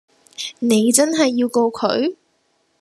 你真係要告佢